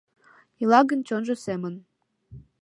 Ила гын чонжо семын